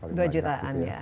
sekitar dua jutaan ya